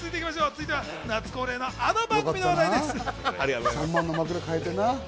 続いては、夏恒例のあの番組の話題です。